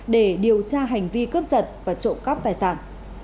để điều tra hành vi cướp giật và trộm cắp tài sản